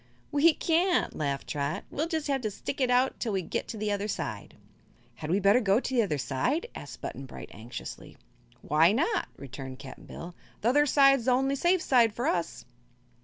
"We can't," laughed Trot. "We'll jus' have to stick it out till we get to the other side." "Had we better go to the other side?" asked Button Bright, anxiously. "Why not?" returned Cap'n Bill. "The other side's the only safe side for us."